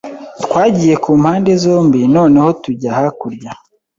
Twagiye ku mpande zombi noneho tujya hakurya